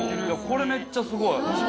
これめっちゃすごい。